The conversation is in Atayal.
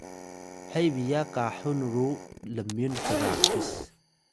he biyak kahung ru lmyun trakis